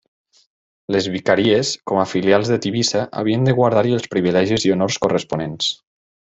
Les vicaries, com a filials de Tivissa, havien de guardar-hi els privilegis i honors corresponents.